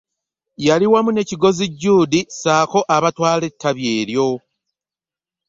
Yali wamu ne Kigozi Jude ssaako abatwala ettabi eryo.